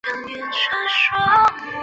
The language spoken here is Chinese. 乞伏干归便把乞伏炽磐等人送到西平。